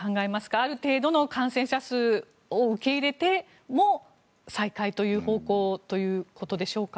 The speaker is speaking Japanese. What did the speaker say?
ある程度の感染者を受け入れても再開という方向ということでしょうか。